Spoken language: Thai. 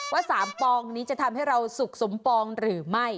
ว่า๓ปองนี้จะทำให้เราสุขสมปองหรือไม่